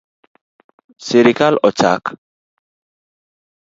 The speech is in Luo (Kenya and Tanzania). Sirkal ochak